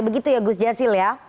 begitu ya gus jasil ya